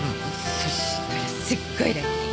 そしたらすごいラッキー。